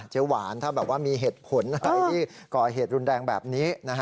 หวานถ้าแบบว่ามีเหตุผลอะไรที่ก่อเหตุรุนแรงแบบนี้